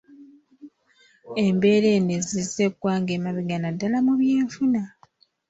Embeera eno ezizza eggwanga emabega naddala mu byenfuna.